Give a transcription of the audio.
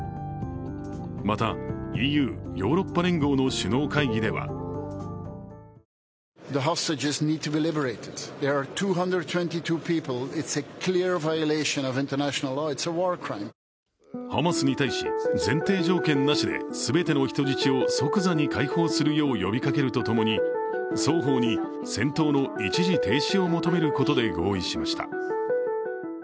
また、ＥＵ＝ヨーロッパ連合の首脳会議ではハマスに対し前提条件なしで全ての人質を即座に解放するよう呼びかけるとともに、双方に戦闘の一時停止を求めることで合意しました。